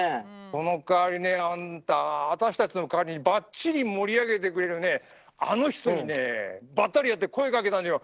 その代わりね、あんた私たちの代わりにばっちり盛り上げてくれるあの人にね、ばったり会って声かけたのよ！